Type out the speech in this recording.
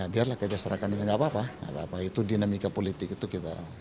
biarlah kejasarkan ini nggak apa apa itu dinamika politik